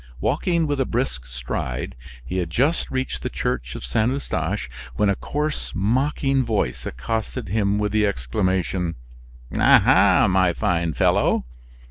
Walking with a brisk stride, he had just reached the church of Saint Eustache, when a coarse, mocking voice accosted him with the exclamation: "Ah, ha! my fine fellow!"